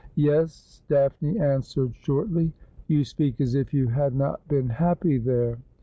' Yes,' Daphne answered shortly. ' You speak as if you had not been happy there.'